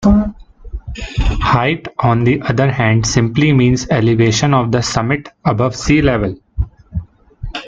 "Height" on the other hand simply means elevation of the summit above sea level.